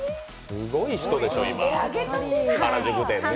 すごい人でしょ、今、原宿店ね。